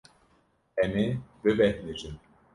Em ê bibêhnijin.